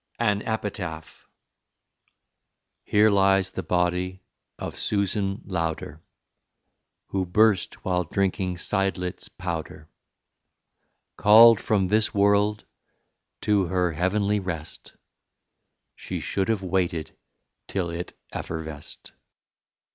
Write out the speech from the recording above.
AN EPITAPH Here lies the body of Susan Lowder Who burst while drinking Seidlitz powder. Called from this world to her heavenly rest, She should have waited till it effervesced.